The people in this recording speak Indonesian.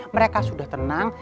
mereka sudah tenang